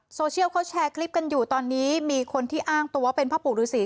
โซเชียลเขาแชร์คลิปกันอยู่ตอนนี้มีคนที่อ้างตัวเป็นพ่อปู่ฤษี